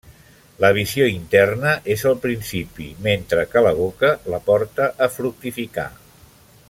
La visió interna és el principi mentre que la boca, la porta a fructificar.